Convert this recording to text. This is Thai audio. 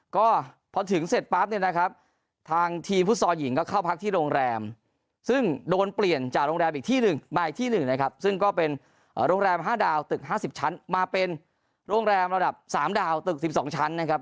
ก็พอถึงเสร็จปั๊บเนี่ยนะครับทางทีมฟุตซอลหญิงก็เข้าพักที่โรงแรมซึ่งโดนเปลี่ยนจากโรงแรมอีกที่หนึ่งมาอีกที่๑นะครับซึ่งก็เป็นโรงแรม๕ดาวตึก๕๐ชั้นมาเป็นโรงแรมระดับ๓ดาวตึก๑๒ชั้นนะครับ